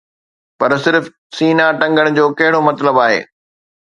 پر صرف سينه ٽنگڻ جو ڪهڙو مطلب آهي؟